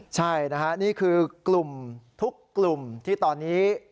ใช่นะครับนี่คือทุกกลุ่มที่ตอนนี้